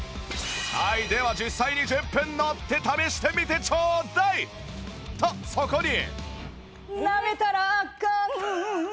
はいでは実際に１０分乗って試してみてちょうだいとそこに